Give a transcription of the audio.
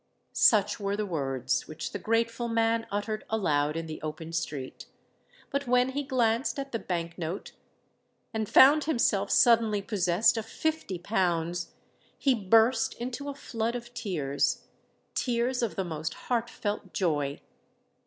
Such were the words which the grateful man uttered aloud in the open street; but when he glanced at the bank note, and found himself suddenly possessed of fifty pounds, he burst into a flood of tears—tears of the most heart felt joy!